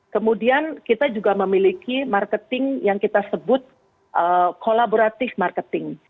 kemudian kita juga memiliki marketing yang kita sebut collaboratif marketing